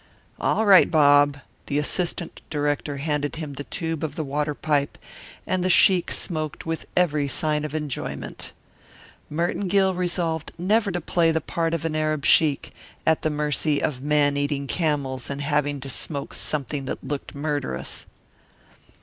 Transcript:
"All right, Bob." The assistant director handed him the tube of the water pipe, and the sheik smoked with every sign of enjoyment. Merton Gill resolved never to play the part of an Arab sheik at the mercy of man eating camels and having to smoke something that looked murderous.